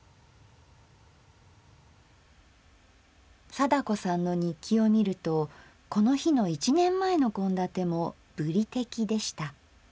貞子さんの日記を見るとこの日の１年前の献立も「ぶりてき」でした。